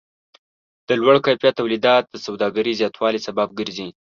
د لوړ کیفیت تولیدات د سوداګرۍ زیاتوالی سبب ګرځي.